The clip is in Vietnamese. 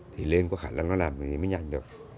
thì lên có khả năng nó làm thì mới nhanh được